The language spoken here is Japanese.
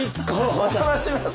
お邪魔します。